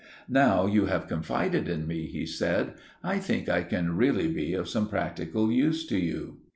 "Now you have confided in me," he said, "I think I can really be of some practical use to you."